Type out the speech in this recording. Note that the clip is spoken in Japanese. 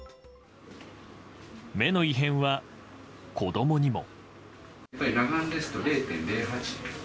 目の異変は子供にも。